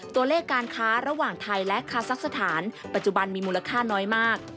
ตัวเลขการค้าระหว่างไทยและคาซักสถานปัจจุบันมีมูลค่าน้อยมาก